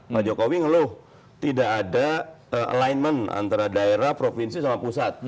pak jokowi ngeluh tidak ada alignment antara daerah provinsi sama pusat